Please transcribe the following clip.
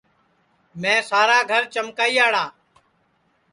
میں سارا گھرا چمکائیاڑا